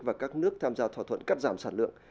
và các nước tham gia thỏa thuận các loại hàng hóa